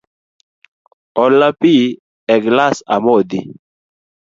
Olna pi e gilas amodhi.